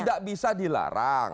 tidak bisa dilarang